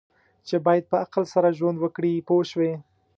چې باید په عقل سره ژوند وکړي پوه شوې!.